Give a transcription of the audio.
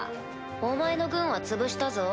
お前の軍は潰したぞ。